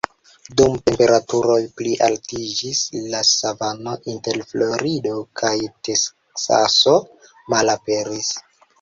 Dum temperaturoj plialtiĝis, la savano inter Florido kaj Teksaso malaperis.